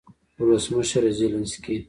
ولسمشرزیلینسکي